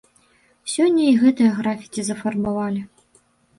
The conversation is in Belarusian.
Сёння і гэтае графіці зафарбавалі.